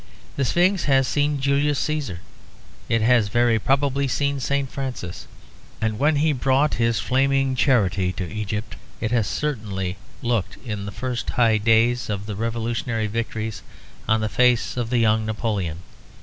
The Sphinx has seen Julius Caesar; it has very probably seen St. Francis, when he brought his flaming charity to Egypt; it has certainly looked, in the first high days of the revolutionary victories, on the face of the young Napoleon.